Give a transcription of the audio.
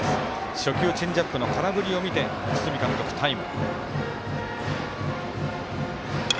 初球、チェンジアップの空振りを見て、堤監督タイム。